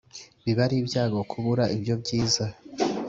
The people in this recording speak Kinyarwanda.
Biba ari ibyago kubura ibyo byiza